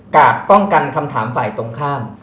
ป้องกันคำถามฝ่ายตรงข้าม